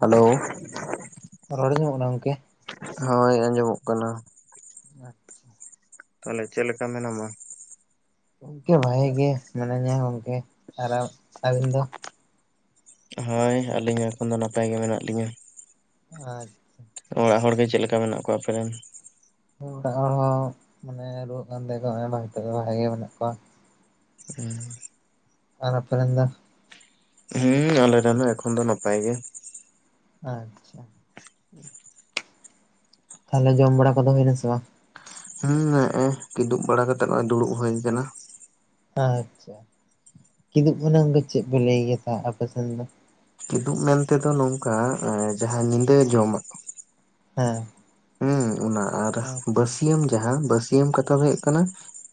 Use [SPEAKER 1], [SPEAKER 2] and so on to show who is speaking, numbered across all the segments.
[SPEAKER 1] Hello.
[SPEAKER 2] ᱨᱚᱲ ᱟᱸᱡᱚᱢᱚᱜ ᱠᱟᱱᱟ ᱜᱚᱝᱠᱮ?
[SPEAKER 1] ᱦᱳᱭ ᱟᱸᱡᱚᱢᱚᱜ ᱠᱟᱱᱟ᱾
[SPEAKER 2] ᱟᱪᱪᱷᱟ᱾
[SPEAKER 1] ᱛᱟᱦᱚᱞᱮ ᱪᱮᱫ ᱞᱮᱠᱟ ᱢᱮᱱᱟᱢᱟ?
[SPEAKER 2] ᱜᱚᱝᱠᱮ ᱵᱷᱟᱜᱮ ᱜᱮ ᱢᱤᱱᱟᱹᱧᱟ ᱜᱚᱝᱠᱮ, ᱟᱨ ᱟᱹᱵᱤᱱ ᱫᱚ?
[SPEAKER 1] ᱦᱳᱭ ᱟᱞᱤᱧ ᱦᱚᱸ ᱮᱠᱷᱚᱱ ᱫᱚ ᱱᱟᱯᱟᱭ ᱜᱮ ᱢᱮᱱᱟᱜ ᱞᱤᱧᱟᱹ᱾
[SPEAKER 2] ᱟᱪᱪᱷᱟ᱾
[SPEAKER 1] ᱚᱲᱟᱜ ᱦᱚᱲ ᱜᱮ ᱪᱮᱫ ᱞᱮᱠᱟ ᱢᱮᱱᱟᱜ ᱠᱚᱣᱟ ᱟᱯᱮ ᱨᱮᱱ?
[SPEAKER 2] ᱚᱲᱟᱜ ᱦᱚᱲ ᱦᱚᱸ ᱢᱟᱱᱮ ᱨᱩᱣᱟᱹᱜ ᱠᱟᱱ ᱛᱟᱦᱮᱸᱜ ᱠᱚ ᱦᱚᱸᱜ-ᱚᱭ ᱦᱤᱛᱚᱜ ᱫᱚ ᱵᱷᱟᱜᱮ ᱜᱮ ᱢᱮᱱᱟᱜ ᱠᱚᱣᱟ ᱾
[SPEAKER 1] ᱦᱩᱸ ᱾
[SPEAKER 2] ᱟᱨ ᱟᱯᱮ ᱨᱮᱱ ᱫᱚ?
[SPEAKER 1] ᱦᱩᱸ ᱟᱞᱮ ᱨᱮᱱ ᱦᱚᱸ ᱮᱠᱷᱚᱱ ᱫᱚ ᱱᱟᱯᱟᱭ ᱜᱮ ᱾
[SPEAKER 2] ᱟᱪᱪᱷᱟ ᱾
[SPEAKER 1] [inaudible]
[SPEAKER 2] ᱛᱟᱦᱚᱞᱮ ᱡᱚᱢ ᱵᱟᱲᱟ ᱠᱚᱫᱚ ᱦᱩᱭᱱᱟ ᱥᱮ ᱵᱟᱝ?
[SPEAKER 1] ᱦᱩᱸ ᱱᱮᱸᱜ-ᱮ ᱠᱤᱫᱩᱵ ᱵᱟᱲᱟ ᱠᱟᱛᱮᱜ ᱱᱚᱜ-ᱚᱭ ᱫᱩᱲᱩᱵ ᱦᱩᱭ ᱠᱟᱱᱟ ᱾
[SPEAKER 2] ᱟᱪᱪᱷᱟ, ᱠᱤᱫᱩᱵ ᱢᱟᱱᱟᱝ ᱫᱚ ᱪᱮᱫ ᱯᱮ ᱞᱟᱹᱭ ᱜᱮᱭᱟ ᱛᱟ ᱟᱯᱮ ᱥᱮᱱ ᱫᱚ?
[SPEAKER 1] ᱠᱤᱫᱩᱵ ᱢᱮᱱᱛᱮᱫᱚ ᱱᱚᱝᱠᱟ ᱮ ᱡᱟᱦᱟᱸ ᱧᱤᱫᱟᱹ ᱡᱚᱢᱟᱜ ᱾
[SPEAKER 2] ᱦᱮᱸ ᱾
[SPEAKER 1] ᱦᱩᱸ ᱚᱱᱟ ᱟᱨ ᱵᱟᱹᱥ ᱤᱭᱟᱹᱢ ᱡᱟᱦᱟᱸ ᱵᱟᱹᱥᱤᱭᱟᱹᱢ ᱠᱟᱛᱷᱟ ᱫᱚ ᱦᱩᱭᱩᱜ ᱠᱟᱱᱟ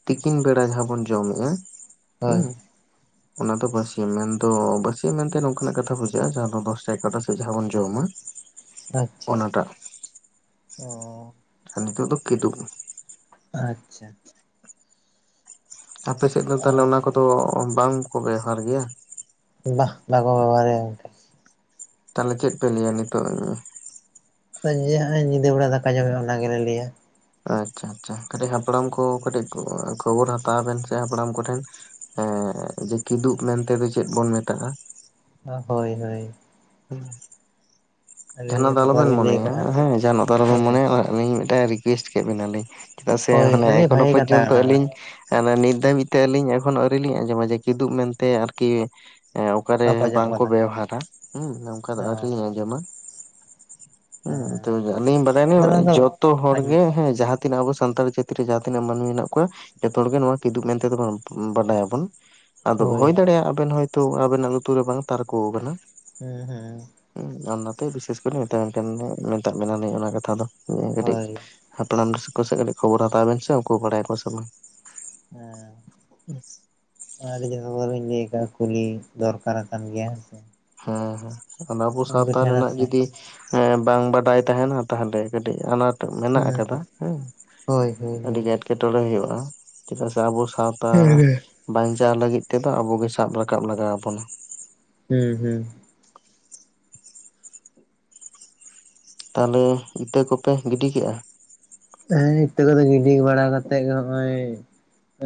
[SPEAKER 1] ᱛᱤᱠᱤᱱ ᱵᱮᱲᱟ ᱡᱟᱦᱟᱸ ᱵᱚᱱ ᱡᱚᱢ ᱮᱜᱼᱟ
[SPEAKER 2] ᱦᱳᱭ
[SPEAKER 1] ᱦᱩᱸ, ᱚᱱᱟ ᱫᱚ ᱵᱟᱹᱥ ᱤᱭᱟᱹᱢ ᱢᱮᱱᱫᱚ ᱵᱟᱹᱥᱤᱭᱟᱹᱢ ᱢᱮᱱᱛᱮ ᱱᱚᱝᱠᱟᱱᱟᱜ ᱠᱟᱛᱷᱟ ᱵᱩᱡᱷᱟᱹᱜᱼᱟ ᱡᱟᱦᱟᱸ ᱫᱚ ᱫᱚᱥᱴᱟ, ᱮᱜᱟᱨᱚᱴᱟ ᱥᱮᱫ ᱡᱟᱦᱟᱸ ᱵᱚᱱ ᱡᱚᱢᱟ
[SPEAKER 2] ᱟᱪᱪᱷᱟ,
[SPEAKER 1] ᱚᱱᱟᱴᱟᱜ
[SPEAKER 2] ᱚᱸᱻ᱾
[SPEAKER 1] ᱟᱨ ᱱᱤᱛᱚᱜ ᱫᱚ ᱠᱮᱫᱩᱵ ᱾
[SPEAKER 2] ᱟᱪᱪᱷᱟ ᱾
[SPEAKER 1] ᱟᱯᱮ ᱥᱮᱫ ᱫᱚ ᱛᱟᱦᱚᱞᱮ ᱚᱱᱟ ᱠᱚᱫᱚ ᱵᱟᱝᱠᱚ ᱵᱮᱣᱦᱟᱨ ᱜᱮᱭᱟ?
[SPEAKER 2] ᱵᱟᱦ ᱵᱟᱠᱚ ᱵᱮᱵᱚᱦᱟᱨ ᱜᱮᱭᱟ ᱜᱚᱝᱠᱮ ᱾
[SPEAKER 1] ᱛᱟᱦᱚᱞᱮ ᱪᱮᱫ ᱯᱮ ᱞᱟᱹᱭᱟ ᱱᱤᱛᱳᱜ?
[SPEAKER 2] ᱟᱫᱚ ᱡᱮ ᱦᱚᱸᱜ-ᱚᱭ ᱧᱤᱫᱟᱹ ᱵᱮᱲᱟ ᱫᱟᱠᱟ ᱡᱚᱢ ᱦᱳᱭᱳᱜ-ᱟ ᱚᱱᱟ ᱜᱮᱞᱮ ᱞᱟᱹᱭᱟ ᱾
[SPEAKER 1] ᱟᱪᱪᱷᱟ ᱟᱪᱪᱷᱟ ᱠᱟᱹᱴᱤᱡ ᱦᱟᱯᱲᱟᱢ ᱠᱚ ᱠᱟᱹᱴᱤᱡ ᱠᱷᱚᱵᱚᱨ ᱦᱟᱛᱟᱣ ᱵᱮᱱ ᱥᱮ ᱦᱟᱯᱲᱟᱢ ᱠᱚᱴᱷᱮᱱ, ᱮᱸ ᱡᱮ ᱠᱤᱫᱩᱵ ᱢᱮᱱᱛᱮ ᱫᱚ ᱪᱮᱫ ᱵᱚᱱ ᱢᱮᱛᱟᱜᱼᱟ?
[SPEAKER 2] ᱚ ᱦᱳᱭ ᱦᱳᱭ ᱾
[SPEAKER 1] ᱦᱩᱸ᱾
[SPEAKER 2] ᱟᱹᱰᱤ ᱤᱭᱟᱹ
[SPEAKER 1] ᱡᱟᱦᱟᱸᱱᱟᱜ ᱫᱚ
[SPEAKER 2] ᱠᱟᱛᱷᱟ
[SPEAKER 1] ᱟᱞᱚᱵᱮᱱ
[SPEAKER 2] ᱵᱤᱱ ᱞᱟᱹᱭ
[SPEAKER 1] ᱢᱚᱱᱮᱭᱟ
[SPEAKER 2] ᱠᱟᱜᱼᱟ
[SPEAKER 1] ᱦᱮᱸ ᱡᱟᱦᱟᱸᱱᱟᱜ ᱫᱚ ᱟᱞᱚᱵᱮᱱ
[SPEAKER 2] ᱦᱳᱭ
[SPEAKER 1] ᱢᱚᱱᱮᱭᱟ ᱦᱚᱸᱜ-ᱚᱭ ᱟᱹᱞᱤᱧ ᱢᱤᱫᱴᱮᱡ ᱨᱤᱠᱩᱭᱮᱥᱴ ᱠᱮᱫ ᱵᱮᱱᱟᱞᱤᱧ ᱪᱮᱫᱟᱜ ᱥᱮ
[SPEAKER 2] ᱦᱳᱭ
[SPEAKER 1] ᱢᱟᱱᱮ
[SPEAKER 2] ᱟᱹᱰᱤ
[SPEAKER 1] ᱮᱠᱷᱚᱱᱱᱳ
[SPEAKER 2] ᱵᱷᱟᱜᱮ ᱠᱟᱛᱷᱟ
[SPEAKER 1] ᱯᱚᱨᱡᱚᱱᱛᱚ
[SPEAKER 2] ᱠᱟᱱᱟ ᱚᱱᱟ
[SPEAKER 1] ᱟᱹᱞᱤᱧ ᱦᱟᱱᱮ ᱱᱤᱛ ᱫᱷᱟᱹᱵᱤᱡ ᱛᱮ ᱟᱹᱞᱤᱧ ᱮᱠᱷᱚᱱ ᱚ ᱟᱹᱣᱨᱤ ᱞᱤᱧ ᱟᱸᱡᱚᱢᱟ ᱡᱮ ᱠᱤᱫᱩᱵ ᱢᱮᱱᱛᱮ ᱟᱨᱠᱤ ᱮᱸ ᱚᱠᱟᱨᱮ
[SPEAKER 2] ᱵᱟᱠᱚ ᱟᱸᱡᱚᱢ
[SPEAKER 1] ᱵᱟᱝ ᱠᱚ
[SPEAKER 2] ᱠᱟᱫᱟ
[SPEAKER 1] ᱵᱮᱣᱦᱟᱨᱟ, ᱦᱩᱸ ᱱᱚᱝᱠᱟ ᱫᱚ
[SPEAKER 2] ᱚ
[SPEAKER 1] ᱟᱹᱣᱨᱤ ᱞᱤᱧ ᱟᱸᱡᱚᱢᱟ ᱾ ᱦᱩᱸ,
[SPEAKER 2] ᱦᱮᱸ
[SPEAKER 1] ᱛᱚᱵᱮ ᱟᱹᱞᱤᱧ
[SPEAKER 2] ᱟᱫᱚ ᱱᱚᱣᱟ
[SPEAKER 1] ᱵᱟᱰᱟᱭᱟᱞᱤᱧ
[SPEAKER 2] ᱫᱚ
[SPEAKER 1] ᱡᱚᱛᱚ ᱦᱚᱲ
[SPEAKER 2] ᱟᱹᱰᱤ
[SPEAKER 1] ᱜᱮ ᱦᱮᱸ ᱡᱟᱦᱟᱸ ᱛᱤᱱᱟᱹᱜ ᱟᱵᱚ ᱥᱟᱱᱛᱟᱲ ᱡᱟᱹᱛᱤ ᱨᱮ ᱡᱟᱦᱟᱸ ᱛᱤᱱᱟᱹᱜ ᱢᱟᱹᱱᱢᱤ ᱢᱮᱱᱟᱜ ᱠᱚᱣᱟ ᱡᱚᱛᱚ ᱦᱚᱲᱜᱮ ᱱᱚᱣᱟ ᱠᱤᱫᱩᱵ ᱢᱮᱱᱛᱮᱫᱚ ᱵᱚᱱ ᱵᱟᱰᱟᱭᱟᱵᱚᱱ ᱾ ᱟᱫᱚ ᱦᱳᱭ ᱫᱟᱲᱮᱭᱟᱜᱼᱟ ᱟᱵᱮᱱ ᱦᱚᱭᱛᱳ ᱟᱵᱮᱱᱟᱜ ᱞᱩᱛᱩᱨ ᱨᱮ ᱵᱟᱝ ᱛᱟᱨᱠᱳ ᱠᱟᱱᱟ᱾
[SPEAKER 2] ᱦᱩᱸ ᱦᱩᱸ᱾
[SPEAKER 1] ᱦᱩᱸ ᱟᱨ ᱚᱱᱟᱛᱮ ᱵᱤᱥᱮᱥ ᱠᱚᱨᱮ ᱫᱚ ᱢᱮᱛᱟᱜ ᱵᱮᱱ, ᱢᱮᱛᱟᱜ ᱵᱮᱱᱟ ᱞᱤᱧ ᱚᱱᱟ ᱠᱟᱛᱷᱟ ᱫᱚ ᱠᱟᱹᱴᱤᱡ
[SPEAKER 2] ᱦᱳᱭ
[SPEAKER 1] ᱦᱟᱯᱲᱟᱢ ᱠᱚ ᱥᱮᱜ ᱨᱮ ᱠᱟᱹᱴᱤᱡ ᱠᱷᱚᱵᱚᱨ ᱦᱟᱛᱟᱣ ᱵᱤᱱ ᱥᱮ ᱩᱝᱠᱩ ᱵᱟᱲᱟᱭᱟᱠᱚ ᱥᱮ ᱵᱟᱝ?
[SPEAKER 2] ᱦᱩᱸ᱾ ᱚᱱᱟᱛᱮ ᱡᱮ ᱠᱷᱚᱵᱚᱨ ᱞᱤᱧ ᱞᱟ. ᱭ ᱠᱟᱜ-ᱟ ᱠᱩᱞᱤ ᱫᱚᱨᱠᱟᱨ ᱟᱠᱟᱱ ᱜᱮᱭᱟ ᱦᱮᱸ ᱥᱮ᱾
[SPEAKER 1] ᱦᱩᱸ ᱦᱩᱸ, ᱟᱨ ᱟᱵᱚ
[SPEAKER 2] ᱩᱱᱠᱩ
[SPEAKER 1] ᱥᱟᱶᱛᱟ
[SPEAKER 2] ᱴᱷᱮᱱ ᱦᱮᱸ
[SPEAKER 1] ᱨᱮᱱᱟᱜ
[SPEAKER 2] ᱥᱮ
[SPEAKER 1] ᱡᱩᱫᱤ ᱦᱮᱸ ᱵᱟᱝ ᱵᱟᱰᱟᱭ ᱛᱟᱸᱦᱮᱱ ᱟ ᱛᱟᱦᱞᱮ ᱠᱟᱹᱴᱤᱡ ᱟᱱᱟᱴ ᱱᱤᱛᱚᱜ ᱢᱮᱱᱟᱜ
[SPEAKER 2] ᱦᱩᱸ
[SPEAKER 1] ᱟᱠᱟᱫᱟ ᱦᱩᱸ,
[SPEAKER 2] ᱦᱳᱭ ᱦᱳᱭ
[SPEAKER 1] ᱟᱹᱰᱤ
[SPEAKER 2] ᱦᱳᱭ
[SPEAKER 1] ᱜᱟᱴ ᱴᱚᱬᱮ ᱦᱩᱭᱩᱜ-ᱟ, ᱪᱮᱫᱟᱜ ᱥᱮ ᱟᱵᱚ ᱥᱟᱶᱛᱟ
[SPEAKER 2] ᱦᱮᱸ
[SPEAKER 1] ᱵᱟᱧᱪᱟᱣ ᱞᱟᱹᱜᱤᱫ ᱛᱮᱫᱚ ᱟᱵᱚ ᱜᱮ ᱥᱟᱵ ᱨᱟᱠᱟᱵ ᱞᱟᱜᱟᱣᱵᱚᱱᱟ᱾
[SPEAKER 2] ᱦᱩᱸ ᱦᱩᱸ᱾
[SPEAKER 1] ᱛᱟᱞᱦᱮ ᱤᱛᱟᱹ ᱠᱚᱯᱮ ᱜᱤᱰᱤ ᱠᱮᱜ-ᱟ?
[SPEAKER 2] ᱦᱩᱸ, ᱤᱛᱟᱹ ᱠᱚᱫᱚ ᱜᱤᱰᱤ ᱵᱟᱲᱟ ᱠᱟᱛᱮᱜ ᱜᱮ ᱦᱚᱸᱜ-ᱚᱭ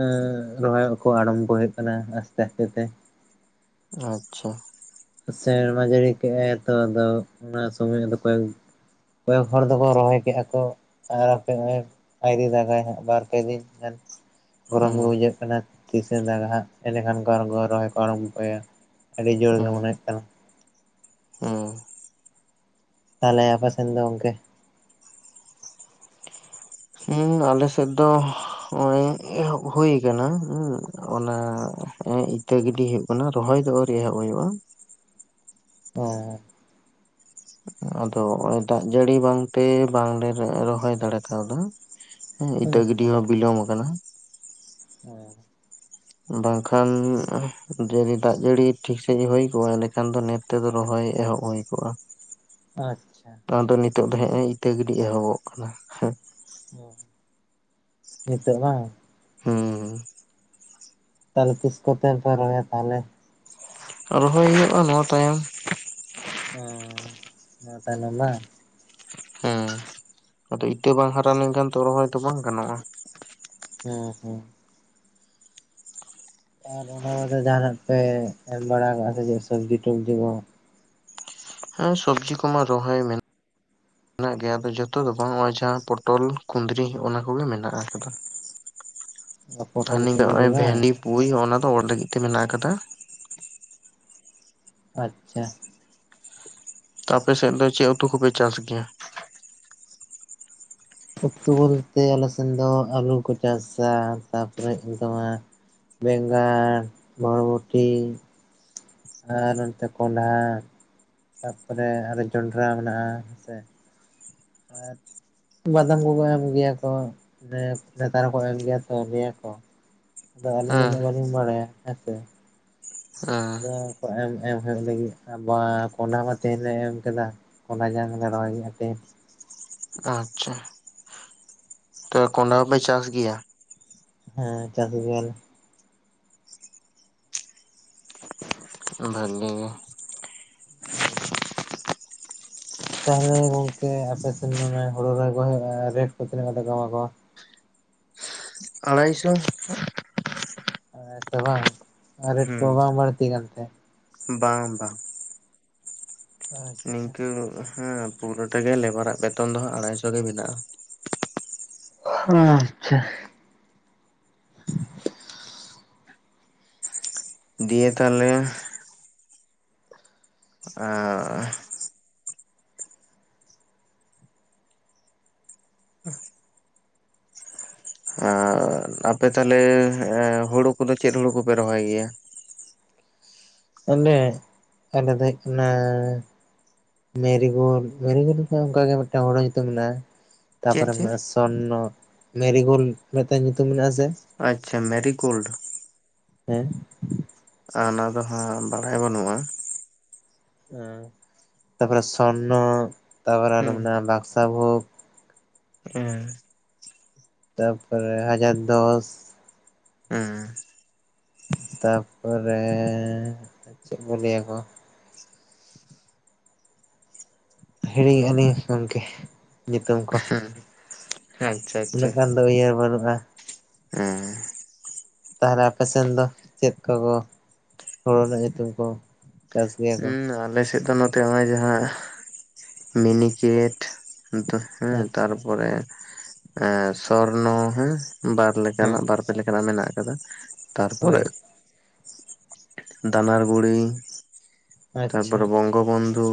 [SPEAKER 2] ᱮᱸᱻ ᱨᱚᱦᱚᱭᱚᱜ ᱠᱚ ᱟᱲᱟᱢᱵᱚ ᱦᱩᱭᱩᱜ ᱠᱟᱱᱟ ᱟᱥᱛᱮ ᱟᱥᱛᱮ ᱛᱮ᱾
[SPEAKER 1] ᱟᱪᱪᱷᱟ᱾
[SPEAKER 2] ᱥᱮᱨᱢᱟ ᱡᱟᱹᱲᱤ ᱠᱮᱜ-ᱟᱭ ᱛᱚ, ᱟᱫᱚ ᱚᱱᱟ ᱥᱚᱢᱚᱭ ᱫᱚ ᱠᱚᱭᱮᱠ ᱠᱚᱭᱮᱠ ᱦᱚᱲ ᱫᱚᱠᱚ ᱨᱚᱦᱚᱭ ᱠᱮᱜ-ᱟ ᱠᱚ ᱟᱨ ᱠᱚᱭᱮᱠ ᱟᱹᱣᱨᱤ ᱫᱟᱜᱟᱭ ᱦᱟᱸᱜ ᱵᱟᱨ ᱯᱮ ᱫᱤᱱ ᱜᱟᱱ᱾ ᱜᱚᱨᱚᱢ ᱜᱮ
[SPEAKER 1] ᱦᱩᱸ
[SPEAKER 2] ᱵᱩᱡᱷᱟᱹᱜ ᱠᱟᱱᱟ ᱛᱤᱥᱮ ᱫᱟᱜᱟ ᱦᱟᱸᱜ ᱮᱸᱰᱮᱠᱷᱟᱱ [unintelligible] ᱨᱚᱦᱚᱭ ᱠᱚ ᱟᱨᱟᱢᱵᱚᱭᱟ᱾ ᱟᱹᱰᱤ ᱡᱳᱨ ᱜᱮ
[SPEAKER 1] ᱦᱩᱸ
[SPEAKER 2] ᱢᱚᱱᱮ ᱦᱳᱭᱳᱜ ᱠᱟᱱᱟ᱾
[SPEAKER 1] ᱦᱩᱸ᱾
[SPEAKER 2] ᱛᱟᱞᱦᱮ ᱟᱯᱮ ᱥᱮᱱ ᱫᱚ ᱜᱚᱝᱠᱮ?
[SPEAKER 1] ᱩᱸ ᱟᱞᱮᱥᱮᱫ ᱫᱚ ᱦᱚᱜᱚᱭ ᱮᱦᱚᱵ ᱦᱩᱭ ᱠᱟᱱᱟ ᱩᱸ ᱚᱱᱟ ᱮᱸᱜ ᱤᱛᱟᱹ ᱜᱤᱰᱤ ᱦᱩᱭᱩᱜ ᱠᱟᱱᱟ ᱨᱚᱦᱚᱭ ᱫᱚ ᱟᱹᱣᱨᱤ ᱮᱦᱚᱵ ᱦᱩᱭᱩᱜ-ᱟ᱾
[SPEAKER 2] ᱦᱮᱸ᱾
[SPEAKER 1] ᱟᱫᱚ ᱦᱚᱸᱜ-ᱚᱭ ᱫᱟᱜ ᱡᱟᱹᱲᱤ ᱵᱟᱝᱛᱮ ᱵᱟᱝᱞᱮ ᱨᱚᱦᱚᱭ ᱫᱟᱲᱮ ᱠᱟᱣᱫᱟ᱾ ᱮᱸ ᱤᱴᱟᱹ ᱜᱤᱰᱤ
[SPEAKER 2] ᱟᱪᱪᱷᱟ
[SPEAKER 1] ᱦᱚᱸ ᱵᱤᱞᱚᱢ ᱠᱟᱱᱟ᱾
[SPEAKER 2] ᱦᱮᱸ᱾
[SPEAKER 1] ᱵᱟᱝᱠᱷᱟᱱ ᱡᱩᱫᱤ ᱫᱟᱜ ᱡᱟᱹᱲᱤ ᱴᱷᱤᱠ ᱥᱟᱹᱦᱤᱡ ᱦᱩᱭ ᱠᱚᱜ-ᱟ ᱮᱸᱰᱮᱠᱷᱟᱱ ᱫᱚ ᱱᱤᱛ ᱛᱮᱫᱚ ᱨᱚᱦᱚᱭ ᱮᱦᱚᱵ ᱦᱩᱭ ᱠᱚᱜ-ᱟ᱾
[SPEAKER 2] ᱟᱪᱪᱷᱟ᱾
[SPEAKER 1] ᱚᱱᱟ ᱱᱤᱛᱳᱜ ᱫᱚ ᱦᱮᱸᱜ-ᱮ ᱤᱛᱟᱹ ᱜᱤᱰᱤ ᱮᱦᱚᱵᱚᱜ ᱠᱟᱱᱟ, ᱦᱮᱸ᱾
[SPEAKER 2] ᱦᱩᱸ, ᱱᱤᱛᱳᱜ ᱵᱟᱝ?
[SPEAKER 1] ᱦᱩᱸ᱾
[SPEAKER 2] ᱛᱟᱞᱦᱮ ᱛᱤᱥ ᱠᱚᱛᱮ ᱯᱮ ᱨᱚᱦᱚᱭᱟ ᱛᱟᱞᱦᱮ?
[SPEAKER 1] ᱨᱚᱦᱚᱭ ᱦᱩᱭᱩᱜ-ᱟ ᱱᱚᱣᱟ ᱛᱟᱭᱚᱢ᱾
[SPEAKER 2] ᱦᱮᱸ, ᱱᱤᱭᱟᱹ ᱛᱟᱭᱱᱚᱢ ᱵᱟᱝ?
[SPEAKER 1] ᱦᱮᱸ ᱟᱫᱚ ᱤᱛᱟᱹ ᱵᱟᱝ ᱦᱟᱨᱟ ᱞᱮᱱᱠᱷᱟᱱ ᱛᱚ ᱨᱚᱦᱚᱭ ᱛᱚ ᱵᱟᱝ ᱜᱟᱱᱚᱜ-ᱟ!
[SPEAKER 2] ᱦᱩᱸ ᱦᱩᱸ᱾ ᱟᱨ ᱚᱱᱟ ᱵᱟᱫᱮ ᱡᱟᱸᱦᱟᱱᱟᱜ ᱯᱮ ᱮᱢ ᱵᱟᱲᱟ ᱠᱟᱜᱼᱟ ᱥᱮ ᱪᱮᱫ ᱥᱚᱵᱽᱡᱤ ᱴᱚᱵᱡᱤ ᱠᱚ?
[SPEAKER 1] ᱦᱮᱸ ᱥᱚᱵᱽᱡᱤ ᱠᱚᱢᱟ ᱨᱚᱦᱚᱭ ᱢᱮ ᱱᱟᱜ ᱜᱮᱭᱟ᱾ ᱟᱫᱚ ᱡᱚᱛᱚ ᱫᱚ ᱵᱟᱝ ᱱᱚᱜ-ᱚᱭ ᱡᱟᱦᱟᱸ ᱯᱚᱴᱚᱞ ᱠᱩᱸᱫᱽᱨᱤ ᱱᱚᱜ-ᱚᱱᱟ ᱠᱚᱜᱮ ᱢᱮᱱᱟᱜ ᱟᱠᱟᱫᱟ᱾ ᱟᱨ
[SPEAKER 2] ᱯᱚᱴᱚᱞ
[SPEAKER 1] ᱱᱤᱱᱫᱟᱹ
[SPEAKER 2] ᱠᱩᱸᱫᱽᱨᱤ
[SPEAKER 1] ᱦᱚᱸᱜ-ᱚᱭ
[SPEAKER 2] ᱵᱟᱝ
[SPEAKER 1] ᱵᱷᱮᱱᱰᱤ ᱯᱩᱭ ᱦᱚᱸᱜ-ᱚᱱᱟ ᱫᱚ ᱦᱚᱸᱜ-ᱱᱰᱮ ᱢᱤᱫᱴᱮᱡ ᱢᱮᱱᱟᱜ ᱟᱠᱟᱫᱟ᱾
[SPEAKER 2] ᱟᱪᱪᱷᱟ᱾
[SPEAKER 1] ᱟᱯᱮ ᱥᱮᱫ ᱫᱚ ᱪᱮᱜ ᱩᱛᱩ ᱠᱚᱯᱮ ᱪᱟᱥ ᱜᱮᱭᱟ?
[SPEAKER 2] ᱩᱛᱩ ᱵᱚᱞᱛᱮ ᱟᱞᱮ ᱥᱮᱱ ᱫᱚ ᱟᱹᱞᱩ [unintelligible] ᱛᱟᱯᱚᱨᱮ ᱦᱩᱭᱩᱜ ᱛᱟᱢᱟ ᱵᱮᱸᱜᱟᱲ, ᱵᱚᱨᱵᱚᱴᱤ ᱟᱨ ᱚᱱᱛᱮ ᱠᱚᱱᱰᱷᱟ ᱛᱟᱨᱯᱚᱨᱮ ᱟᱨᱚ ᱡᱚᱸᱱᱰᱨᱟ ᱢᱮᱱᱟᱜᱼᱟ ᱦᱮᱸᱥᱮ ᱟᱨ ᱵᱟᱫᱟᱢ ᱠᱚᱠᱚ ᱮᱢ ᱜᱮᱭᱟ ᱠᱚ ᱮ ᱱᱮᱛᱟᱨ ᱦᱚᱸᱠᱚ ᱮᱢ ᱜᱮᱭᱟ ᱛᱚ ᱞᱟᱹᱭ ᱟᱠᱚ ᱾ ᱫᱚ ᱟᱹᱞᱤᱧ
[SPEAKER 1] ᱦᱮᱸ
[SPEAKER 2] ᱫᱚ [unintelligible] ᱵᱟᱹᱞᱤᱧ ᱵᱟᱲᱟᱭᱟ ᱦᱮᱸᱥᱮ ᱾
[SPEAKER 1] ᱦᱮᱸ
[SPEAKER 2] ᱟᱫᱚ ᱠᱚ ᱮᱢ ᱮᱢ ᱮᱢ ᱦᱩᱭᱩᱜ ᱞᱟᱹᱜᱤᱫ ᱟ ᱵᱟ ᱠᱚᱱᱰᱷᱟ ᱠᱚ ᱛᱮᱦᱮᱱ ᱨᱮ ᱮᱢ ᱠᱮᱫᱟ ᱾ ᱦᱚᱞᱟ ᱡᱟᱝᱞᱮ ᱨᱚᱦᱚᱭ ᱟᱠᱮᱡ
[SPEAKER 1] ᱟᱪᱪᱷᱟ ᱾ ᱛᱚ ᱠᱚᱸᱱᱰᱷᱟ ᱦᱚᱸᱯᱮ ᱪᱟᱥ ᱜᱮᱭᱟ?
[SPEAKER 2] ᱦᱮᱸ ᱪᱟᱥ ᱜᱤᱭᱟᱞᱮ ᱾
[SPEAKER 1] ᱵᱷᱟᱜᱤ ᱜᱮ ᱾
[SPEAKER 2] [inaudible] ᱛᱟᱦᱞᱮ ᱜᱚᱝᱠᱮ ᱟᱯᱮᱥᱮᱱ ᱢᱟᱱᱮ ᱦᱳᱲᱳ ᱨᱚᱦᱚᱭ ᱠᱚ ᱦᱩᱭᱩᱜ ᱜᱮᱭᱟ ᱨᱮᱴ ᱠᱚ ᱛᱤᱱᱟᱹᱜ ᱠᱟᱛᱮ ᱠᱚ ᱮᱢᱟ ᱠᱚᱣᱟ?
[SPEAKER 1] ᱟᱲᱟᱭ ᱥᱚ ᱾
[SPEAKER 2] ᱮ ᱥᱮ ᱵᱟᱝ ᱟᱨ ᱨᱮᱴ
[SPEAKER 1] ᱦᱩᱸ
[SPEAKER 2] ᱠᱚᱦᱚᱸ ᱵᱟᱝ ᱵᱟᱲᱛᱤ ᱠᱟᱱ ᱛᱮ?
[SPEAKER 1] ᱵᱟᱝ ᱵᱟ᱾ ᱱᱤᱝᱠᱟᱹ ᱦᱮᱸ ᱯᱩᱨᱟᱹ ᱴᱟ ᱜᱮ ᱞᱮᱵᱟᱨᱟᱜ ᱵᱮᱛᱚᱱ ᱫᱚ ᱦᱟᱸᱜ ᱟᱲᱦᱟᱭ ᱥᱚ ᱜᱮ ᱢᱮᱱᱟᱜ-ᱟ᱾
[SPEAKER 2] [inaudible] ᱟᱪᱪᱷᱟ᱾
[SPEAKER 1] ᱫᱤᱭᱮ ᱛᱟᱞᱮᱼᱼ [unintelligible] [unintelligible] ᱟᱨ ᱟᱯᱮ ᱛᱟᱞᱮ ᱮᱸ ᱦᱳᱲᱳ ᱠᱚᱫᱚ ᱪᱮᱫ ᱦᱳᱲᱳ ᱠᱚᱯᱮ ᱨᱚᱦᱚᱭ ᱜᱮᱭᱟ?
[SPEAKER 2] ᱟᱞᱮ ᱟᱞᱮ ᱫᱚ ᱦᱩᱭᱩᱜ ᱠᱟᱱᱟ᱾ ᱢᱮᱨᱤᱜᱳᱞᱰ ᱢᱮᱨᱤᱜᱳᱞᱰ ᱞᱮᱠᱟ‌ ᱚᱱᱠᱟ ᱜᱮ ᱢᱤᱫᱴᱟᱝ ᱦᱚᱲᱚ ᱧᱩᱛᱩᱢ ᱢᱮᱱᱟᱜ-ᱟ᱾
[SPEAKER 1] ᱪᱮᱫ
[SPEAKER 2] ᱛᱟᱯᱚᱨᱮ
[SPEAKER 1] ᱪᱮᱫ
[SPEAKER 2] ᱢᱮᱱᱟᱜ-ᱟ ᱥᱚᱨᱱᱚ ᱢᱮᱨᱤ ᱜᱳᱞᱰ ᱢᱮᱫᱛᱮᱜ ᱧᱩᱛᱩᱢ ᱢᱮᱱᱟᱜ-ᱟ ᱥᱮ?
[SPEAKER 1] ᱟᱪᱪᱷᱟ ᱢᱮᱨᱤ ᱜᱳᱞᱰ᱾
[SPEAKER 2] ᱦᱮᱸ᱾
[SPEAKER 1] ᱟᱻ ᱚᱱᱟ ᱫᱚ ᱦᱟᱸᱜ ᱵᱟᱲᱟᱭ ᱵᱟᱹᱱᱩᱜ-ᱟ᱾
[SPEAKER 2] ᱮᱸ ᱛᱟᱨᱯᱚᱨᱮ ᱥᱚᱨᱱᱚ ᱛᱟᱨᱯᱚᱨᱮ ᱟᱨᱚ
[SPEAKER 1] ᱦᱩᱸ
[SPEAKER 2] ᱢᱮᱱᱟᱜ-ᱟ ᱵᱟᱠᱥᱟ ᱵᱩᱠ᱾
[SPEAKER 1] [inaudible]
[SPEAKER 2] ᱛᱟᱯᱚᱨᱮ ᱦᱟᱡᱟᱨ ᱫᱚᱥ᱾
[SPEAKER 1] ᱩᱸᱻ᱾
[SPEAKER 2] ᱛᱟᱨᱯᱚᱨᱮ ᱪᱮᱜ ᱠᱚ ᱞᱟᱹᱭᱟ ᱠᱚᱼᱼ ᱦᱤᱲᱤ ᱟᱹᱞᱤᱧ ᱜᱚᱝᱠᱮ ᱧᱩᱛᱩᱢ ᱠᱚ᱾
[SPEAKER 1] ᱟᱪᱪᱷᱟ ᱟᱪᱪᱷᱟ᱾
[SPEAKER 2] ᱩᱱᱟᱹᱜ ᱜᱟᱱ ᱫᱚ ᱩᱭᱦᱟᱹᱨ ᱵᱟᱹᱱᱩᱜ-ᱟ᱾
[SPEAKER 1] ᱮᱸᱻ᱾
[SPEAKER 2] ᱛᱟᱦᱟᱞᱮ ᱟᱯᱮ ᱥᱮᱱ ᱫᱚ ᱪᱮᱫ ᱠᱚᱠᱚ ᱦᱳᱲᱳ ᱨᱮᱱᱟᱜ ᱧᱩᱛᱩᱢ ᱠᱚ? ᱪᱟᱥ ᱜᱮᱭᱟ ᱠᱚ
[SPEAKER 1] ᱩᱢᱸ ᱟᱞᱮ ᱥᱮᱜ ᱫᱚ ᱱᱚᱛᱼᱼ ᱛᱮ ᱦᱚᱸᱭ ᱡᱟᱦᱟᱸ ᱢᱤᱱᱤᱠᱮᱴ ᱚᱱᱛᱩᱼᱼ ᱦᱮᱸ
[SPEAKER 2] ᱟᱪᱪᱷᱟ
[SPEAKER 1] ᱛᱟᱨᱯᱚᱨᱮ ᱮᱸ ᱥᱚᱨᱱᱚ ᱦᱮᱸ ᱵᱟᱨ ᱞᱮᱠᱟ
[SPEAKER 2] ᱦᱮᱸ
[SPEAKER 1] ᱱᱟᱜ ᱵᱟᱨᱼᱼ ᱯᱮ ᱞᱮᱠᱟ ᱱᱟᱜ ᱢᱮᱱᱟᱜ ᱠᱟᱫᱟ
[SPEAKER 2] ᱦᱳᱭ
[SPEAKER 1] ᱛᱟᱨᱯᱚᱨᱮᱜᱼᱼ ᱫᱟᱱᱟᱨ ᱜᱩᱲᱤ
[SPEAKER 2] ᱟᱪᱪᱷᱟ
[SPEAKER 1] ᱛᱟᱨᱯᱚᱨᱮ ᱵᱚᱝᱜᱚ ᱵᱚᱱᱫᱷᱩ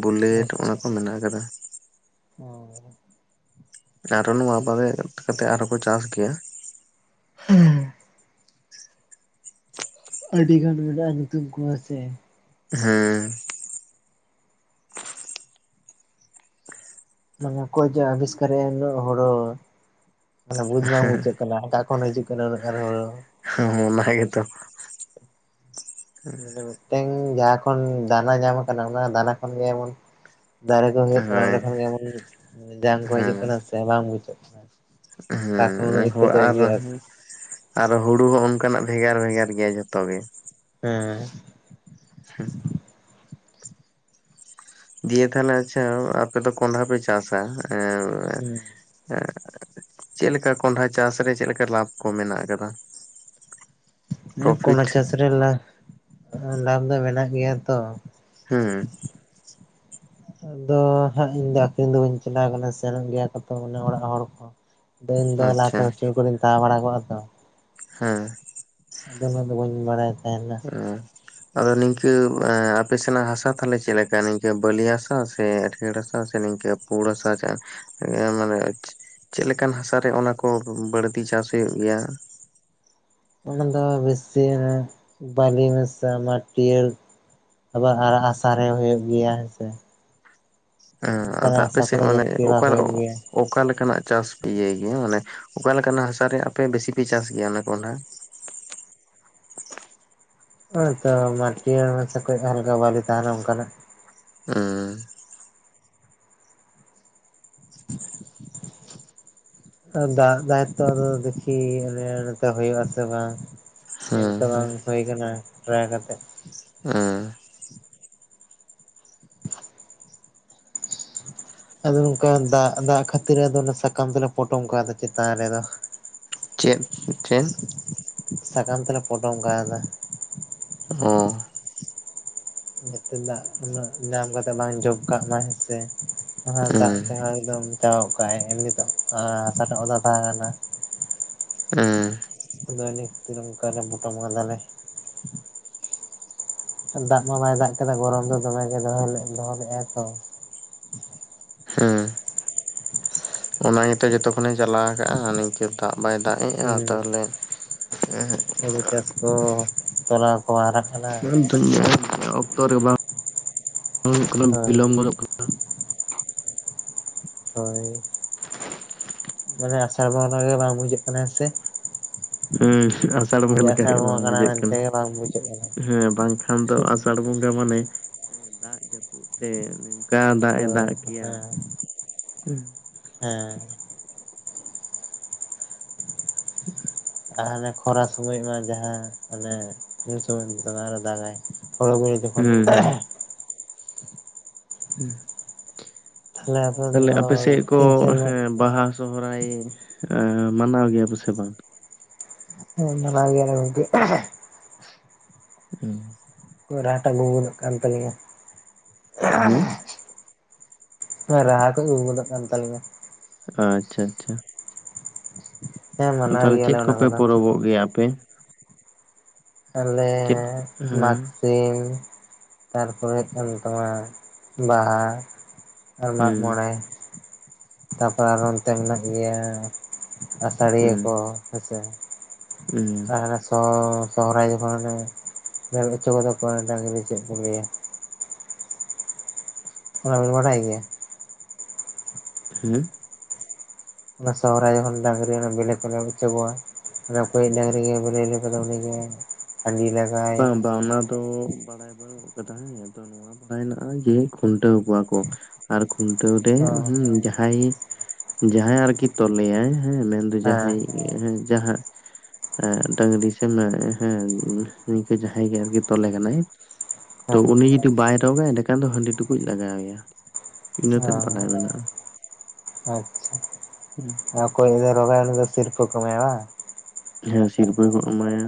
[SPEAKER 1] ᱵᱩᱞᱮᱴ ᱚᱱᱟ ᱠᱚ ᱢᱮᱱᱟᱜ ᱠᱟᱫᱟ᱾
[SPEAKER 2] ᱚᱻ᱾
[SPEAKER 1] ᱟᱨᱚ ᱱᱚᱣᱟ ᱵᱟᱫᱮ ᱮᱴ ᱠᱟᱛᱮᱜ ᱟᱨᱦᱚ ᱠᱚ ᱪᱟᱥ ᱜᱮᱭᱟ᱾
[SPEAKER 2] ᱦᱩᱸ᱾ ᱟᱹᱰᱤ ᱜᱟᱱ ᱢᱮᱱᱟᱜ-ᱟ ᱧᱩᱛᱩᱢ ᱠᱚ ᱦᱮᱸ ᱥᱮ᱾
[SPEAKER 1] ᱦᱮᱸ᱾
[SPEAKER 2] ᱢᱟᱱᱮ ᱚᱠᱚᱭ ᱡᱮ ᱟᱵᱤᱥᱠᱟᱨᱮᱜ-ᱟᱭ ᱩᱱᱟᱹᱜ ᱦᱚᱲᱳ᱾ ᱢᱟᱱᱮ ᱵᱩᱡᱽ ᱵᱟᱝ ᱵᱩᱪᱩᱜ ᱠᱟᱱᱟ ᱚᱠᱟ ᱠᱷᱚᱱ ᱦᱤᱡᱩᱜ ᱠᱟᱱᱟ ᱩᱱᱟᱹᱜ ᱟᱨᱚ ᱦᱚᱲᱳ᱾
[SPEAKER 1] ᱢᱚᱱᱦᱟ ᱜᱮ ᱛᱚ᱾
[SPEAKER 2] ᱢᱟᱱᱮ ᱢᱤᱫᱴᱮᱱ ᱡᱟᱦᱟᱸ ᱠᱷᱚᱱ ᱫᱟᱱᱟ ᱧᱟᱢ ᱟᱠᱟᱱᱟ ᱚᱱᱟ ᱫᱟᱱᱟ ᱠᱷᱚᱱ ᱜᱮ ᱮᱢᱚᱱ ᱫᱟᱨᱮ ᱠᱚ ᱦᱩᱭᱩᱜ ᱠᱟᱱᱟ
[SPEAKER 1] ᱦᱳᱭ
[SPEAKER 2] ᱚᱸᱰᱮ ᱠᱷᱚᱱ ᱜᱮ ᱮᱢᱚᱱ ᱡᱟᱝ ᱠᱚ
[SPEAKER 1] ᱦᱮᱸ
[SPEAKER 2] ᱦᱤᱡᱩᱜ ᱠᱟᱱᱟ ᱥᱮ ᱵᱟᱝ ᱵᱩᱪᱩᱜ ᱠᱟᱱᱟ᱾ ᱚᱠᱟ ᱠᱷᱚᱱ ᱩᱱᱟᱹᱜ
[SPEAKER 1] ᱩᱸ ᱦᱳ
[SPEAKER 2] ᱤᱛᱟᱹ ᱠᱚ
[SPEAKER 1] ᱟᱨ
[SPEAKER 2] ᱟᱹᱜᱩᱭᱮᱜᱼᱟ
[SPEAKER 1] ᱦᱚᱸ ᱟᱨᱦᱚᱸ ᱟᱨ ᱦᱩᱲᱩ ᱦᱚᱸ ᱚᱱᱠᱟ ᱱᱟᱜ ᱵᱷᱮᱜᱟᱨ ᱵᱷᱮᱜᱟᱨ ᱜᱮᱭᱟ ᱡᱷᱚᱛᱚ ᱜᱮ᱾
[SPEAKER 2] ᱦᱮᱸ᱾
[SPEAKER 1] ᱦᱩᱸ᱾ ᱫᱤᱭᱮ ᱛᱟᱦᱟᱞᱮ ᱟᱪᱪᱷᱟ ᱟᱯᱮ ᱫᱚ ᱠᱚᱱᱰᱷᱟ ᱯᱮ ᱪᱟᱥᱟ ᱮᱸᱼᱼ
[SPEAKER 2] ᱦᱩᱸ
[SPEAKER 1] ᱮᱸ ᱪᱮᱜ ᱞᱮᱠᱟ ᱠᱚᱱᱰᱷᱟ ᱪᱟᱥ ᱨᱮ ᱪᱮᱜ ᱞᱮᱠᱟ ᱞᱟᱵᱽ ᱠᱚ ᱢᱮᱱᱟᱜ ᱟᱠᱟᱫᱟ? [inaudible]
[SPEAKER 2] ᱦᱮᱸ ᱠᱚᱱᱰᱷᱟ ᱪᱟᱥ ᱨᱮ ᱞᱟ ᱞᱟᱵᱷ ᱫᱚ ᱢᱮᱱᱟᱜ ᱜᱮᱭᱟ ᱛᱚ᱾
[SPEAKER 1] ᱦᱩᱸ᱾
[SPEAKER 2] ᱟᱫᱚ ᱦᱟᱸᱜ ᱤᱧ ᱫᱚ ᱟᱠᱷᱨᱤᱧ ᱫᱚ ᱵᱟᱹᱧ ᱪᱟᱞᱟᱣ ᱠᱟᱱᱟ ᱥᱮᱱᱚᱜ ᱜᱮᱭᱟ ᱠᱚᱛᱚ ᱚᱱᱮ ᱚᱲᱟᱜ ᱦᱚᱲ ᱠᱚ᱾ ᱟᱫᱚ ᱤᱧ ᱫᱚ ᱞᱟᱦᱟ ᱛᱮ
[SPEAKER 1] ᱟᱪᱪᱷᱟ
[SPEAKER 2] ᱦᱳᱥᱴᱮᱞ ᱠᱚᱨᱤᱧ ᱛᱟᱦᱮᱸ ᱵᱟᱲᱟ ᱠᱚᱜ-ᱟ ᱛᱚ᱾
[SPEAKER 1] ᱦᱮᱸ᱾
[SPEAKER 2] ᱟᱫᱚ ᱩᱱᱟᱹᱜ ᱫᱚ ᱵᱟᱹᱧ ᱵᱟᱲᱟᱭ ᱛᱟᱦᱮᱱᱟ᱾
[SPEAKER 1] ᱚᱸ᱾ ᱟᱫᱚ ᱱᱤᱝᱠᱟᱹ ᱟᱯᱮ ᱮᱸ ᱟᱯᱮᱥᱮᱱᱟᱜ ᱦᱟᱥᱟ ᱛᱟᱦᱞᱮ ᱪᱮᱞᱮᱠᱟ ᱱᱤᱝᱠᱟᱹ ᱵᱟᱹᱞᱤ ᱦᱟᱥᱟ ᱥᱮ ᱮᱴᱷᱭᱟᱹᱬ ᱦᱟᱥᱟ ᱥᱮ ᱱᱤᱝᱠᱟᱹ ᱯᱩᱸᱬ ᱦᱟᱥᱟ ᱪᱮ ᱮᱸ ᱢᱟᱱᱮ ᱪᱮᱫ ᱞᱮᱠᱟᱱ ᱦᱟᱥᱟᱨᱮ ᱚᱱᱟ ᱠᱚ ᱵᱟᱹᱲᱛᱤ ᱪᱟᱥ ᱦᱩᱭᱩᱜ ᱜᱮᱭᱟ?
[SPEAKER 2] ᱚᱱᱟ ᱫᱚ ᱵᱮᱥᱤ ᱮᱸ ᱵᱟᱞᱤ ᱢᱮᱥᱟ ᱢᱟᱴᱭᱟᱹᱲ ᱟᱵᱟᱨ ᱟᱨᱟᱜ ᱦᱟᱥᱟ ᱨᱮ ᱦᱩᱭᱩᱜ ᱜᱮᱭᱟ ᱦᱮᱸ ᱥᱮ᱾
[SPEAKER 1] ᱦᱮᱸ ᱟᱫᱟ ᱟᱯᱮᱥᱮᱫ
[SPEAKER 2] ᱠᱚᱨᱮ
[SPEAKER 1] ᱢᱟᱱᱮ
[SPEAKER 2] ᱡᱟᱹᱥᱛᱤ ᱵᱟᱝ
[SPEAKER 1] ᱚᱠᱟ
[SPEAKER 2] ᱦᱩᱭᱩᱜ ᱜᱮᱭᱟ
[SPEAKER 1] ᱚᱠᱟ ᱞᱮᱠᱟᱱᱟᱜ ᱪᱟᱥ ᱤᱭᱟᱹᱭ ᱜᱮᱭᱟ ᱢᱟᱱᱮ ᱚᱠᱟ ᱞᱮᱠᱟᱱᱟᱜ ᱦᱟᱥᱟᱨᱮ ᱟᱯᱮ ᱵᱮᱥᱤᱯᱮ ᱪᱟᱥ ᱜᱮᱭᱟ ᱚᱱᱟ ᱠᱚᱸᱦᱰᱷᱟ᱾
[SPEAKER 2] ᱦᱚᱸᱭ ᱛᱚ ᱢᱟᱴᱤᱭᱟᱹᱬ ᱢᱟᱥᱮ ᱠᱚᱡ ᱦᱟᱞᱠᱟ ᱵᱟᱞᱤ ᱛᱟᱦᱮᱱᱟ ᱚᱱᱠᱟᱱᱟᱜ᱾
[SPEAKER 1] ᱩᱸ᱾ [inaudible]
[SPEAKER 2] ᱫᱟᱜ ᱫᱟᱭ ᱛᱚ ᱟᱫᱚ ᱫᱟᱹᱠᱷᱤ ᱮᱱᱮ ᱮᱱᱠᱟ ᱦᱩᱭᱩᱜ ᱟᱥᱮ ᱵᱟᱝ᱾ ᱧᱮᱞ
[SPEAKER 1] ᱦᱩᱸ
[SPEAKER 2] ᱛᱚ ᱵᱟᱝ ᱦᱩᱭ ᱠᱟᱱᱟ ᱴᱨᱟᱭ ᱠᱟᱛᱮᱜ᱾
[SPEAKER 1] ᱦᱮᱸ᱾
[SPEAKER 2] ᱟᱫᱚ ᱱᱩᱝᱠᱟᱱ ᱫᱟᱜ ᱫᱟᱜ ᱠᱷᱟᱹᱛᱤᱨ ᱟᱫᱚ ᱚᱱᱟ ᱥᱟᱠᱟᱢ ᱛᱮᱞᱮ ᱯᱚᱴᱚᱢ ᱠᱟᱣᱫᱟ ᱪᱮᱛᱟᱱ ᱨᱮ ᱫᱚ᱾‍‍‍‍
[SPEAKER 1] ᱪᱮᱫ ᱪᱮᱱᱫ?
[SPEAKER 2] ᱥᱟᱠᱟᱢ ᱛᱮᱞᱮ ᱯᱚᱴᱚᱢ ᱠᱟᱣᱫᱟ᱾
[SPEAKER 1] ᱚᱸ᱾
[SPEAKER 2] ᱡᱟᱛᱮ ᱫᱟᱜ ᱩᱱᱟᱹᱜ ᱧᱟᱢ ᱠᱟᱛᱮ ᱵᱟᱝ ᱡᱚᱵᱠᱟᱜ ᱢᱟᱭ ᱦᱮᱸᱥᱮ, ᱚᱱᱟ ᱫᱟᱜ
[SPEAKER 1] ᱦᱩᱸ
[SPEAKER 2] ᱛᱮᱦᱚᱸ ᱮᱠᱫᱚᱢ ᱪᱟᱵᱟ ᱜᱚᱫ ᱠᱟ-ᱟᱭ ᱮᱢᱱᱤᱛᱚᱜ ᱮᱸ ᱦᱟᱥᱟᱴᱚᱜ ᱚᱫᱟ ᱛᱟᱦᱮᱸᱱᱟ᱾
[SPEAKER 1] [inaudible]
[SPEAKER 2] ᱟᱫᱚᱭ ᱱᱤᱛ ᱛᱮᱫᱚ ᱱᱚᱝᱠᱟ ᱞᱮ ᱯᱚᱴᱚᱢ ᱠᱟᱫᱟᱞᱮ᱾ ᱫᱟᱜ ᱢᱟ ᱵᱟᱭ ᱫᱟᱜ ᱠᱟᱫᱟ ᱜᱚᱨᱚᱢ ᱫᱚ ᱫᱚᱢᱮᱜᱮ ᱫᱚᱦᱚ ᱞᱮ ᱫᱚᱦᱚ ᱞᱮᱫᱟᱭ ᱛᱚ᱾
[SPEAKER 1] ᱦᱩᱸ ᱚᱱᱟ ᱜᱮᱛᱮ ᱡᱚ ᱛᱚᱠᱷᱚᱱᱮ ᱡᱟᱞᱟᱣ ᱟᱠᱟᱜᱼᱟ ᱱᱤᱝᱠᱟᱹ ᱫᱟᱜ ᱵᱟᱭ ᱫᱟᱜ ᱮᱜᱼᱟ
[SPEAKER 2] ᱦᱩᱸ
[SPEAKER 1] ᱛᱟᱦᱚᱞᱮ
[SPEAKER 2] ᱦᱩᱲᱩ ᱪᱟᱥ ᱠᱚ ᱛᱚᱞᱟ ᱠᱚ ᱦᱟᱨᱟᱜ ᱠᱟᱱᱟ᱾
[SPEAKER 1] ᱚᱠᱛᱚ ᱨᱮ ᱵᱟᱝ
[SPEAKER 2] ᱦᱳᱭ
[SPEAKER 1] ᱵᱤᱞᱚᱢ ᱜᱚᱫᱚᱜ ᱠᱟᱱ
[SPEAKER 2] ᱦᱳᱭ ᱢᱟᱱᱮ ᱟᱥᱟᱲ ᱵᱚᱸᱜᱟ ᱜᱮ ᱵᱟᱝ ᱵᱩᱡᱷᱟᱹᱜ ᱠᱟᱱᱟ ᱦᱮᱸ ᱥᱮ᱾
[SPEAKER 1] ᱦᱮᱸ ᱟᱥᱟᱲ ᱵᱚᱸᱜᱟ
[SPEAKER 2] ᱡᱮ
[SPEAKER 1] ᱞᱮᱠᱟ
[SPEAKER 2] ᱟᱥᱟᱲ
[SPEAKER 1] ᱜᱮ
[SPEAKER 2] ᱵᱚᱸᱜᱟ
[SPEAKER 1] ᱵᱟᱝ ᱵᱩᱡᱷᱟᱹᱜ
[SPEAKER 2] ᱢᱮᱱᱛᱮ
[SPEAKER 1] ᱠᱟᱱᱟ
[SPEAKER 2] ᱵᱟᱝ ᱵᱩᱡᱷᱟᱹᱜ ᱠᱟᱱᱟ
[SPEAKER 1] ᱦᱮᱸ ᱵᱟᱝ ᱠᱷᱟᱱ ᱫᱚ ᱟᱥᱟᱲ ᱵᱚᱸᱜᱟ ᱢᱟᱱᱮ ᱫᱟᱜ, ᱡᱟᱹᱯᱩᱫ, ᱛᱮ ᱡᱟ ᱫᱟᱜ
[SPEAKER 2] ᱛᱚ
[SPEAKER 1] ᱮ ᱫᱟᱜ ᱜᱮᱭᱟ
[SPEAKER 2] ᱦᱮᱸ ᱦᱮᱸ᱾
[SPEAKER 1] [inaudible]
[SPEAKER 2] ᱟᱦᱟᱨ ᱨᱮ ᱠᱷᱚᱨᱟ ᱥᱚᱢᱚᱭ ᱢᱟ ᱡᱟᱦᱟᱸ ᱦᱟᱱᱮ ᱧᱩ ᱥᱚᱢᱚᱭ ᱫᱚᱢᱮ ᱟᱨᱚ ᱫᱟᱜᱟᱭ ᱦᱳᱲᱳ ᱜᱩᱦᱤᱡ ᱡᱚᱠᱷᱚᱱ
[SPEAKER 1] ᱦᱮᱸ ᱦᱮᱸ᱾
[SPEAKER 2] ᱛᱟᱦᱞᱮ ᱟᱵᱮᱱ
[SPEAKER 1] ᱛᱟᱦᱞᱮ
[SPEAKER 2] ᱫᱚ
[SPEAKER 1] ᱟᱯᱮ ᱥᱮᱫ ᱠᱚ
[SPEAKER 2] ᱛᱤᱱ ᱥᱮᱨᱢᱟ
[SPEAKER 1] ᱦᱮᱸ ᱵᱟᱦᱟ ᱥᱚᱦᱚᱨᱟᱭ ᱮᱸ ᱢᱟᱱᱟᱣ ᱜᱮᱭᱟ ᱯᱮ ᱥᱮ ᱵᱟᱝ?
[SPEAKER 2] ᱦᱮᱸ ᱢᱟᱱᱟᱣ ᱜᱮᱭᱟ ᱞᱮ ᱜᱚᱝᱠᱮ᱾
[SPEAKER 1] ᱦᱩᱸ᱾
[SPEAKER 2] ᱨᱟᱦᱟᱴᱟ [inaudible] ᱠᱟᱱ ᱛᱟᱹᱞᱤᱧᱟ᱾ ᱨᱟᱦᱟ ᱠᱚ ᱜᱩᱸᱜᱩᱫᱚᱜ ᱠᱟᱱ ᱛᱟᱹᱞᱤᱧᱟᱺ
[SPEAKER 1] ᱟᱪᱪᱷᱟ ᱟᱪᱪᱷᱟ᱾
[SPEAKER 2] ᱦᱮᱸ ᱢᱟᱱᱟᱣ
[SPEAKER 1] ᱛᱟᱦᱞᱮ
[SPEAKER 2] ᱜᱮᱭᱟᱞᱮ
[SPEAKER 1] ᱪᱮᱫ
[SPEAKER 2] ᱚᱱᱟ
[SPEAKER 1] ᱠᱚᱯᱮ
[SPEAKER 2] ᱠᱚᱫᱚ
[SPEAKER 1] ᱯᱚᱨᱚᱵᱚᱜ ᱜᱮᱭᱟ ᱟᱯᱮ?
[SPEAKER 2] ᱟᱞᱮ
[SPEAKER 1] ᱪᱮᱫ ᱦᱮᱸ
[SPEAKER 2] ᱢᱟᱜᱽ ᱥᱤᱢ ᱛᱟᱨᱯᱚᱨᱮ ᱦᱩᱭᱩᱜ ᱠᱟᱱ ᱛᱚᱢᱟ ᱵᱟᱦᱟ᱾ ᱟᱨ ᱢᱟᱜ
[SPEAKER 1] ᱦᱮᱸ
[SPEAKER 2] ᱢᱚᱬᱮ ᱛᱟᱯᱚᱨᱮ ᱟᱨᱦᱚᱸ ᱚᱱᱚᱛᱮ ᱢᱮᱱᱟᱜ ᱜᱮᱭᱟ ᱟᱥᱟᱲᱤᱭᱟᱹᱠᱚ ᱦᱮᱸᱥᱮ᱾
[SPEAKER 1] ᱩᱸ᱾
[SPEAKER 2] ᱟᱨ ᱦᱟᱱᱮ ᱥᱚ ᱥᱚᱦᱨᱟᱭ ᱡᱚᱠᱷᱚᱱ ᱦᱟᱱᱮ [inaudible] ᱦᱚᱪᱚ ᱠᱚᱫᱚ ᱠᱚ ᱰᱟᱝᱨᱤ ᱪᱮᱫ ᱠᱚ ᱞᱟᱹᱭᱟ? ᱚᱱᱟ ᱵᱮᱱ ᱵᱟᱰᱟᱭ ᱜᱮᱭᱟ?
[SPEAKER 1] ᱦᱩᱸ?
[SPEAKER 2] ᱚᱱᱟ ᱥᱚᱦᱚᱨᱟᱭ ᱡᱚᱠᱷᱚᱱ ᱰᱟᱝᱨᱤ ᱚᱱᱟ᱾ [inaudible] ᱚᱱᱟ ᱠᱚᱭᱤᱡ ᱰᱟᱝᱨᱤ ᱜᱮ [inaudible]
[SPEAKER 1] ᱵᱟᱝ᱾ ᱵᱟᱝ ᱚᱱᱟ ᱫᱚ ᱵᱟᱲᱟᱭ ᱵᱟᱹᱱᱩᱜ ᱟᱠᱟᱫᱟ᱾ ᱦᱮᱸ ᱟᱫᱚ ᱱᱚᱣᱟ ᱵᱟᱲᱟᱭ ᱦᱮᱱᱟᱜ-ᱟ ᱡᱮ ᱠᱷᱩᱱᱴᱟᱹᱣ ᱠᱚᱣᱟ ᱠᱚ᱾ ᱟᱨ ᱠᱷᱩᱱᱴᱟᱹᱣ ᱨᱮ
[SPEAKER 2] ᱚ
[SPEAKER 1] ᱦᱩᱸ ᱡᱟᱦᱟᱸᱭ ᱡᱟᱦᱟᱸᱭ ᱟᱨᱠᱤ ᱛᱚᱞᱮᱭᱟᱭ ᱦᱮᱸ ᱢᱮᱱ
[SPEAKER 2] ᱦᱮᱸ
[SPEAKER 1] ᱡᱟᱦᱟᱸᱭ ᱦᱮᱸ ᱡᱟᱦᱟᱸ ᱮ ᱰᱟᱝᱨᱤ ᱥᱮ ᱢᱮ ᱦᱮᱸ ᱱᱤᱝᱠᱟᱹ ᱡᱟᱦᱟᱸᱭ ᱜᱮ ᱟᱨᱠᱤ ᱛᱚᱞᱮ ᱠᱟᱱᱟᱭ ᱛᱚ
[SPEAKER 2] ᱦᱮᱸ
[SPEAKER 1] ᱩᱱᱤ ᱡᱩᱚᱫᱤ ᱵᱟᱭ ᱨᱚᱜᱟᱭ ᱮᱸᱰᱮ ᱠᱷᱟᱱ ᱫᱚ ᱦᱟᱺᱰᱤ ᱴᱩᱠᱩᱡ ᱞᱟᱜᱟᱣᱮᱭᱟ᱾ ᱤᱱᱟᱹᱛᱮᱫ ᱵᱟᱰᱟᱭ
[SPEAKER 2] ᱚ
[SPEAKER 1] ᱢᱮᱱᱟᱜᱼᱟ᱾
[SPEAKER 2] ᱟᱪᱪᱷᱟ ᱟᱨ ᱚᱠᱚᱭᱤᱡ ᱫᱚ ᱨᱚᱜᱟ ᱩᱱᱤ ᱫᱚ ᱥᱤᱨᱯᱷᱟᱹ ᱠᱚ ᱮᱢᱟᱣᱟᱭᱟ ᱵᱟᱝ?
[SPEAKER 1] ᱦᱮᱸ ᱥᱤᱨᱯᱟᱹ ᱠᱚ ᱮᱢᱟᱭᱟ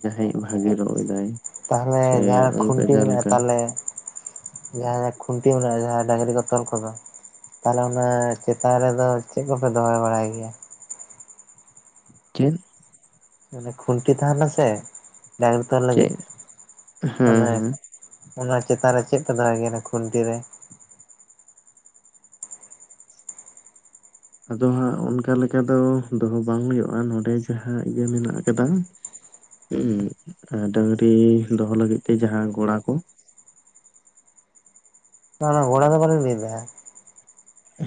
[SPEAKER 1] ᱡᱟᱦᱟᱸᱭᱤᱡ ᱵᱷᱟᱜᱮ ᱨᱚᱜ ᱮᱫᱟᱭ᱾
[SPEAKER 2] ᱛᱟᱦᱞᱮ
[SPEAKER 1] ᱥᱮ
[SPEAKER 2] ᱡᱟᱦᱟᱸ
[SPEAKER 1] ᱚᱱᱠᱟ
[SPEAKER 2] ᱠᱷᱩᱱᱴᱤ
[SPEAKER 1] ᱡᱟᱦᱟᱸ
[SPEAKER 2] ᱢᱮᱱᱟᱜᱼᱟ
[SPEAKER 1] ᱞᱮᱠᱟ
[SPEAKER 2] ᱛᱟᱞᱦᱮ ᱡᱟᱦᱟᱸ ᱨᱮ ᱠᱷᱩᱱᱴᱤ ᱢᱮᱱᱟᱜᱼᱟ, ᱡᱟᱦᱟᱸ ᱰᱟᱝᱨᱤ ᱠᱚ ᱛᱚᱞ ᱠᱚᱫᱚ᱾ ᱛᱟᱦᱞᱮ ᱚᱱᱟ ᱪᱮᱛᱟᱱ ᱨᱮᱫᱚ ᱪᱮᱜ ᱠᱚᱯᱮ ᱫᱚᱦᱚ ᱵᱟᱲᱟᱭ ᱜᱮᱭᱟ?
[SPEAKER 1] ᱪᱮᱫ?
[SPEAKER 2] ᱢᱟᱱᱮ ᱠᱷᱩᱱᱴᱤ ᱛᱟᱦᱮᱱᱟ ᱥᱮ, ᱰᱟᱝᱨᱤ ᱛᱚᱞ ᱞᱟᱹᱜᱤᱫ
[SPEAKER 1] ᱪᱮᱫ ᱦᱮᱸ
[SPEAKER 2] ᱢᱟᱱᱮ
[SPEAKER 1] ᱦᱮᱸ
[SPEAKER 2] ᱚᱱᱟ ᱪᱮᱛᱟᱱ ᱨᱮ ᱪᱮᱫ ᱯᱮ ᱫᱚᱦᱚᱭ ᱜᱮᱭᱟ, ᱚᱱᱟ ᱠᱷᱩᱱᱴᱤ ᱨᱮ?
[SPEAKER 1] ᱟᱫᱚ ᱦᱟᱸᱜ ᱚᱱᱠᱟ ᱞᱮᱠᱟ ᱫᱚ ᱫᱚᱦᱚ ᱵᱟᱝ ᱦᱩᱭᱩᱜᱼᱟ, ᱱᱚᱰᱮ ᱡᱟᱦᱟᱸ ᱤᱭᱟᱹ ᱢᱮᱱᱟᱜ ᱠᱟᱫᱟ᱾ ᱩᱸ ᱰᱟᱹᱝᱨᱤ ᱫᱚᱦᱚ ᱞᱟᱹᱜᱤᱫ ᱛᱮ ᱡᱟᱦᱟᱸ ᱜᱚᱲᱟ ᱠᱚ?
[SPEAKER 2] ᱵᱟᱸ ᱵᱟᱸ ᱜᱳᱲᱟ
[SPEAKER 1] ᱦᱮᱞᱳ
[SPEAKER 2] ᱫᱚ ᱵᱟᱸ ᱞᱤᱧ ᱞᱟᱹᱭᱮᱫ᱾